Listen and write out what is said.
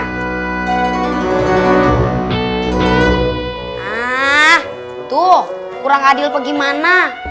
nah tuh kurang adil bagaimana